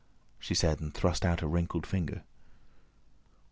she said, and thrust out a wrinkled finger.